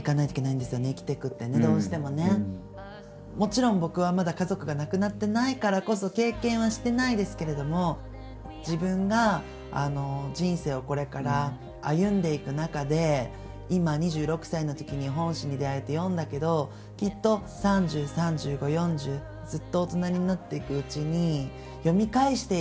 やっぱりもちろん僕はまだ家族が亡くなってないからこそ経験はしてないですけれども自分が人生をこれから歩んでいく中で今２６歳のときに「本心」に出会えて読んだけどきっと３０３５４０っていうのは自分の中で間違いないです。